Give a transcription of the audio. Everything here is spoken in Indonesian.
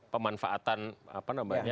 pemanfaatan apa namanya